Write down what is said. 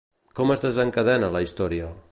Com es desencadena la història?